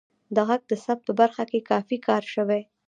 د غږ د ثبت په برخه کې کافی کار شوی